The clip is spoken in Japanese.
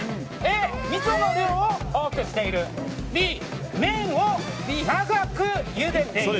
Ａ、味噌の量を多くしているＢ、麺を長くゆでている。